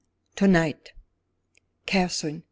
"To night." "Catherine!